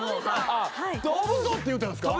⁉「飛ぶぞ」って言うたんですか？